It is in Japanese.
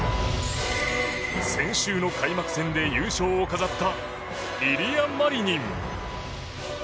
先週の開幕戦で優勝を飾ったイリア・マリニン。